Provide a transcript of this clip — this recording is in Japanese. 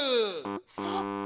そっか。